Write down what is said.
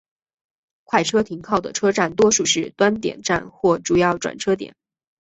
快车停靠的车站多数是端点站或主要转车点。